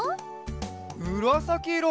むらさきいろ！